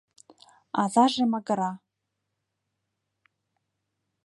Азаже магыра.